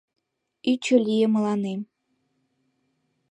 Ӱчӧ лие мыланем.